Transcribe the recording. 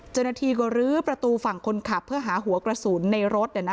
เจ้าหน้าที่ก็ลื้อประตูฝั่งคนขับเพื่อหาหัวกระสุนในรถ